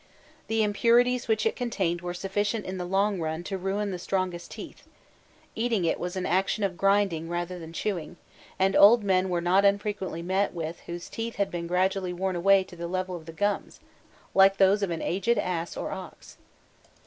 The impurities which it contained were sufficient in the long run to ruin the strongest teeth; eating it was an action of grinding rather than chewing, and old men were not unfrequently met with whose teeth had been gradually worn away to the level of the gums, like those of an aged ass or ox.